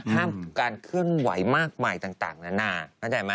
ห้ามการขึ้นไหวมากมายต่างหน้าน่าน่าใจไหม